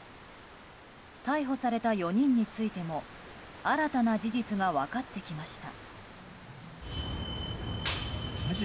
逮捕された４人についても新たな事実が分かってきました。